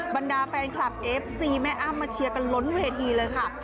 บรรดาแฟนคลับเอฟซีแม่อ้ำมาเชียร์กันล้นเวทีเลยค่ะ